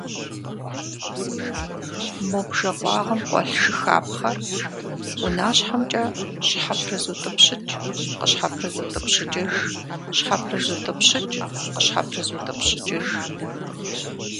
Мо бжэ къуагъым къуэлъ жыхапхъэр унащхьэмкӀэ щхьэпрызутӀыпщыкӀ, къыщхьэпрызутӀыпщыкӀыж, щхьэпрызутӀыпщыкӀ, къыщхьэпрызутӀыпщыкӀыж.